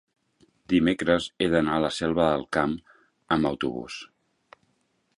dimecres he d'anar a la Selva del Camp amb autobús.